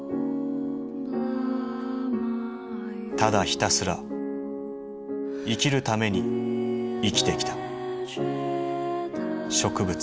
ただひたすら生きるために生きてきた植物。